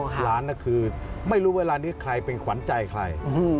หลานน่ะคือไม่รู้ว่าร้านนี้ใครเป็นขวัญใจใคร